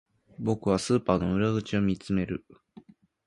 僕はスーパーの裏口を見つめる